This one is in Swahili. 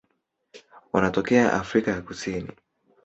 Wanatokea Afrika ya Kusini.